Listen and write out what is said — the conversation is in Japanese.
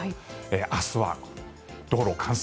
明日は道路冠水